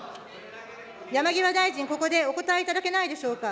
山際大臣、ここでお答えいただけないでしょうか。